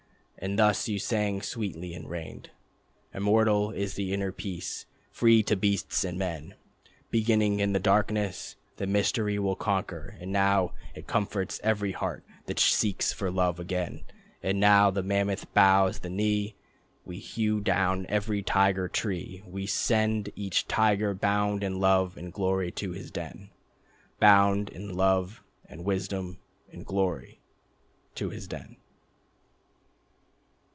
And thus you sang sweetly, and reigned: "Immortal is the inner peace, free to beasts and men. Beginning in the darkness, the mystery will conquer, And now it comforts every heart that seeks for love again. And now the mammoth bows the knee, We hew down every Tiger Tree, We send each tiger bound in love and glory to his den, Bound in love ... and wisdom ... and glory, ... to his den."